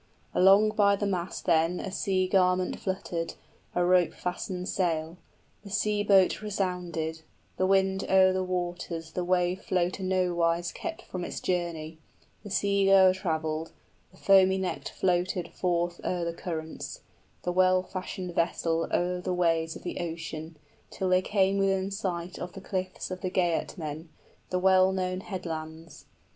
Along by the mast then a sea garment fluttered, A rope fastened sail. The sea boat resounded, The wind o'er the waters the wave floater nowise Kept from its journey; the sea goer traveled, 20 The foamy necked floated forth o'er the currents, The well fashioned vessel o'er the ways of the ocean, {The Geats see their own land again.} Till they came within sight of the cliffs of the Geatmen, The well known headlands.